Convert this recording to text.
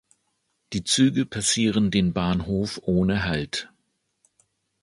Die Züge passieren den Bahnhof ohne Halt.